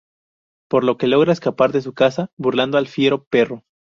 Por lo que logra escapar de su casa, burlando al fiero perro.